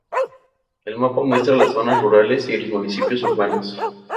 El mapa muestra las zonas rurales y los municipios urbanos.